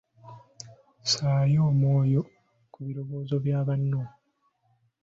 Ssaayo omwoyo ku birowoozo bya banno .